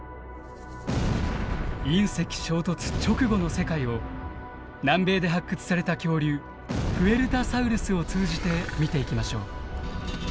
隕石衝突直後の世界を南米で発掘された恐竜プエルタサウルスを通じて見ていきましょう。